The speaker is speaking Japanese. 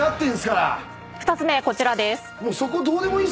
２つ目こちらです。